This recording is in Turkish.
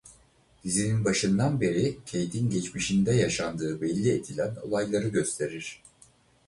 Dizinin başından beri Kate'in geçmişinde yaşandığı belli edilen olayları gösterir.